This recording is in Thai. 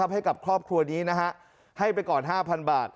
ให้กับครอบครัวนี้นะฮะให้ไปก่อน๕๐๐บาท